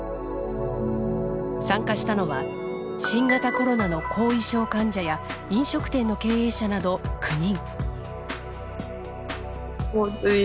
参加したのは新型コロナの後遺症患者や飲食店の経営者など９人。